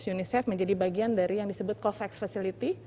unicef menjadi bagian dari yang disebut covax facility